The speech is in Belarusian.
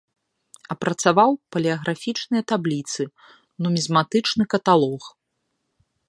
Апрацаваў палеаграфічныя табліцы, нумізматычны каталог.